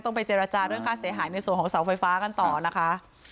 ไปเจรจาเรื่องค่าเสียหายในส่วนของเสาไฟฟ้ากันต่อนะคะ